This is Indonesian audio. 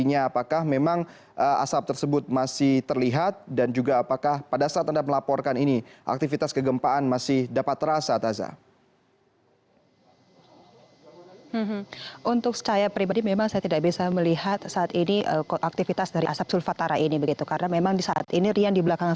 yang lebih baik